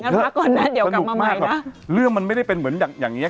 งั้นพักก่อนหน้าเดี๋ยวกลับมาใหม่น่ะภรรยาดบรรดิเรื่องมันไม่ได้เป็นเหมือนอย่างอย่างเงี้ย